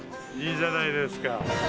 いいじゃないですか。